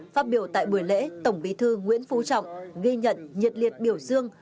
phát biểu tại buổi lễ tổng bí thư nguyễn phú trọng ghi nhận nhiệt liệt biểu dương